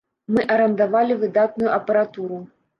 Мы арандавалі выдатную апаратуру.